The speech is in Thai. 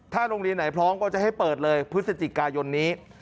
โรงเรียนไหนพร้อมก็จะให้เปิดเลยพฤศจิกายนนี้